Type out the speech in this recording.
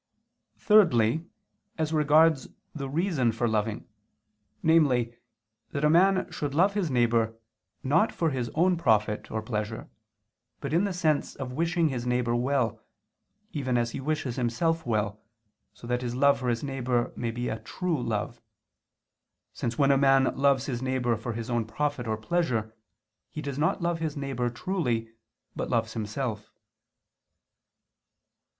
Thirdly, as regards the reason for loving, namely, that a man should love his neighbor, not for his own profit, or pleasure, but in the sense of wishing his neighbor well, even as he wishes himself well, so that his love for his neighbor may be a true love: since when a man loves his neighbor for his own profit or pleasure, he does not love his neighbor truly, but loves himself.